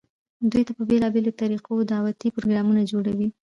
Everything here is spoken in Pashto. دوي ته په بيلابيلو طريقودعوتي پروګرامونه جوړووي،